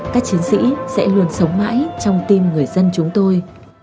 các chiến sĩ sẽ luôn sống mãi trong tim người dân chúng tôi